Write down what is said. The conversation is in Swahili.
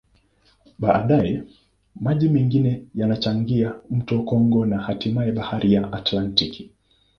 Baadaye, maji mengine yanachangia mto Kongo na hatimaye Bahari ya Atlantiki.